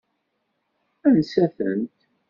Ansa-tent?